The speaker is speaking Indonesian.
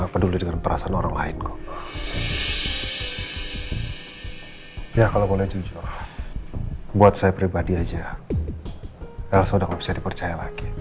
berdua dengan perasaan orang lain kok ya kalau boleh jujur buat saya pribadi aja